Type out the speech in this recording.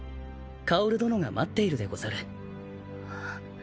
薫殿が待っているでござる。